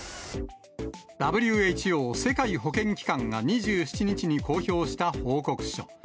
ＷＨＯ・世界保健機関が２７日に公表した報告書。